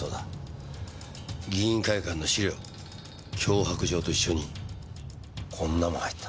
議員会館の資料脅迫状と一緒にこんなもん入ってた。